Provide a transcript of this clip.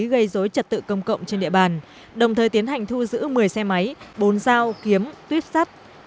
gây dối trật tự công cộng trên địa bàn đồng thời tiến hành thu giữ một mươi xe máy bốn dao kiếm tuyếp sắt